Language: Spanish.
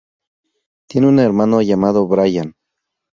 Tiene un hermano llamado Brian.